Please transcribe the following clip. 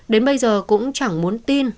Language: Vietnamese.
đến bây giờ cũng chẳng muốn tin